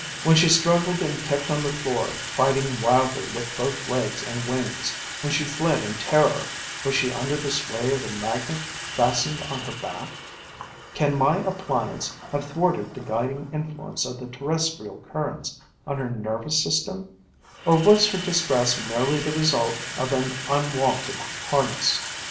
When she struggled and kicked on the floor, fighting wildly with both legs and wings, when she fled in terror, was she under the sway of the magnet fastened on her back? Can my appliance have thwarted the guiding influence of the terrestrial currents on her nervous system? Or was her distress merely the result of an unwonted harness?